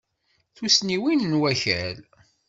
Tussniwin n wakal.